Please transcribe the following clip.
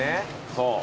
そう。